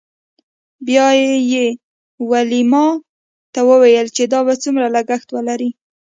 بیا یې ویلما ته وویل چې دا به څومره لګښت ولري